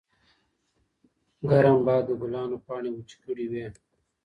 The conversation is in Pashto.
ګرم باد د ګلانو پاڼې وچې کړې وې.